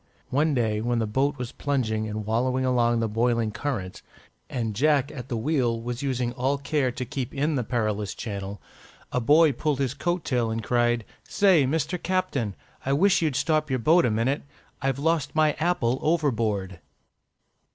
One day, when the boat was plunging and wallowing along the boiling current, and Jack at the wheel was using all care to keep in the perilous channel, a boy pulled his coat tail and cried, "Say, Mister Captain! I wish you'd stop your boat a minute. _I've lost my apple overboard.